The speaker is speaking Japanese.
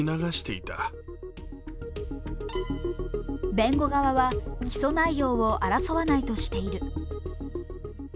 弁護側は起訴内容を争わないとしている。